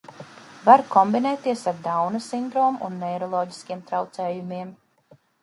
Var kombinēties ar Dauna sindromu un neiroloģiskiem traucējumiem.